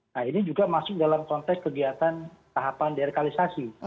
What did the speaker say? nah ini juga masuk dalam konteks kegiatan tahapan derkalisasi